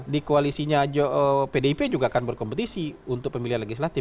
di koalisinya pdip juga akan berkompetisi untuk pemilihan legislatif